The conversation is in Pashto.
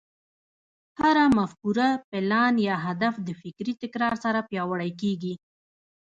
هره مفکوره، پلان، يا هدف د فکري تکرار سره پياوړی کېږي.